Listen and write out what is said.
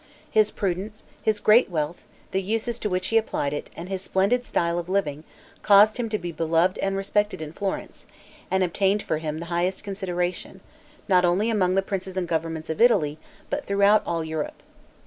His prudence, his great wealth, the uses to which he applied it, and his splendid style of living, caused him to be beloved and respected in Florence, and obtained for him the highest consideration, not only among the princes and governments of Italy, but throughout all Europe.